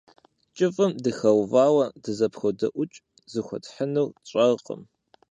КӀыфӀым дыхэувауэ, дызэпходэӀукӀ – зыхуэтхьынур тщӀэркъым.